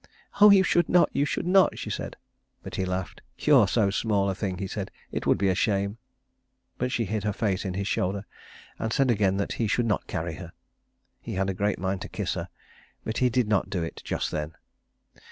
"Oh, you should not, you should not," she said; but he laughed. "You are so small a thing," he said, "it would be a shame." But she hid her face in his shoulder and said again that he should not carry her. He had a great mind to kiss her, but he did not do it just then.